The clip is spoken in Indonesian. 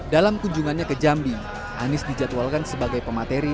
dalam kunjungannya ke jambi anies dijadwalkan sebagai pemateri